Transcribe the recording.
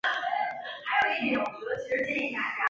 有两种关于和平寺历史的传说。